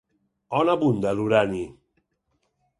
On abunda l'urani?